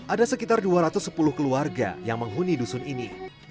ada sekitar dua ratus sepuluh keluarga yang menghuni dusun ini